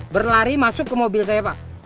berlari masuk ke mobil saya pak